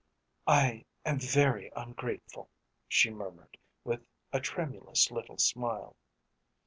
"I am very ungrateful," she murmured, with a tremulous little smile.